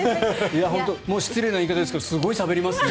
失礼な言い方ですがすごいしゃべりますね。